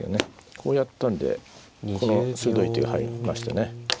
こうやったんでこの鋭い手が入りましたね。